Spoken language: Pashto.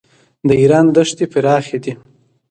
د ایران دښتې پراخې دي.